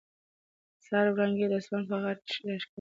د سهار وړانګې د اسمان په غاړه کې را ښکاره شوې.